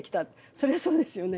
そりゃそうですよね。